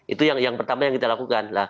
itu yang pertama yang kita lakukan